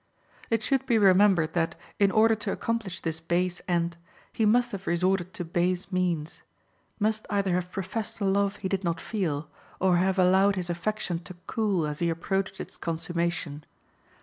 It should be remembered that, in order to accomplish this base end, he must have resorted to base means; must either have professed a love he did not feel, or have allowed his affection to cool as he approached its consummation.